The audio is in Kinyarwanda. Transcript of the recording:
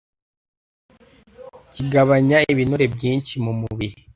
kigabanya ibinure byinshi mu mubiri